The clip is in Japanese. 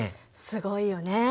すごいよね。